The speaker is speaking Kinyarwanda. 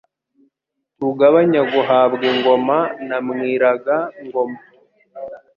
Rugaba Nyaguhabwa ingoma na Mwiraga-ngoma